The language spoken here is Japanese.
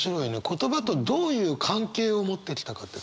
言葉とどういう関係を持ってきたかって。